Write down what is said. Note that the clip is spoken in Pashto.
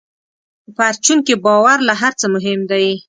په پرچون کې باور له هر څه مهم دی.